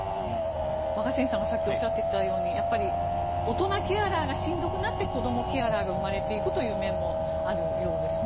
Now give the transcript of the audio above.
若新さんがさっきおっしゃっていたような大人ケアラーがしんどくなって子どもケアラーが生まれていく面もあるようですね。